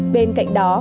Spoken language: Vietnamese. bên cạnh đó